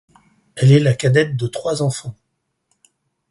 Elle est la cadette de trois enfants.